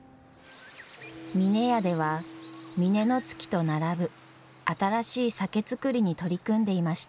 峰屋では峰乃月と並ぶ新しい酒造りに取り組んでいました。